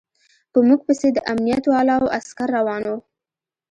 په موږ پسې د امنيت والاو عسکر روان و.